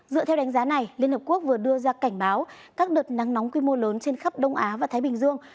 dựa theo đánh giá này liên hợp quốc vừa đưa ra cảnh báo các đợt nắng nóng quy mô lớn trên khắp đông á và thái bình dương